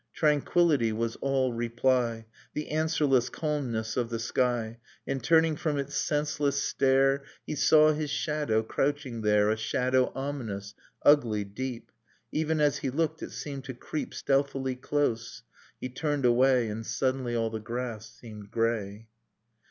Tranquillity was all reply: The answerless calmness of the sky; And turning from its senseless stare, He saw his shadow crouching there, A shadow ominous, ugly, deep; Even as he looked it seemed to creep Stealthily close ... He turned away. And suddenly all the grass seemed grey.